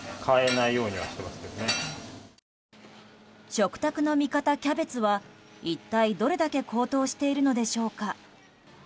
食卓の味方、キャベツは一体どれだけ高騰しているのでしょうか。